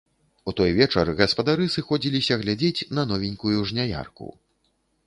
У той вечар гаспадары сыходзіліся глядзець на новенькую жняярку.